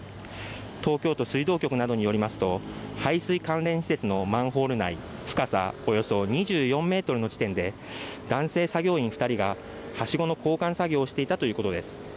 東京都水道局などによりますと排水関連施設のマンホール内深さおよそ２４ｍの地点で男性作業員２人がはしごの交換作業をしていたということです。